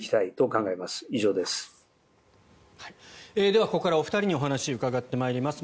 では、ここからはお二人に話を伺っていきます。